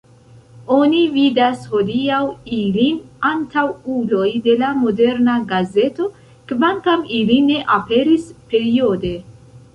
Oni vidas hodiaŭ ilin antaŭuloj de la moderna gazeto, kvankam ili ne aperis periode.